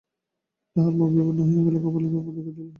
তাঁহার মুখ বিবর্ণ হইয়া গেল, কপালে ঘর্ম দেখা দিল।